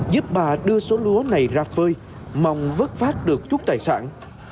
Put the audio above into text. giúp bà đưa số lúa này ra phơi mong vớt phát được chút tài sản